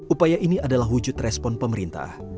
upaya ini adalah wujud respon pemerintah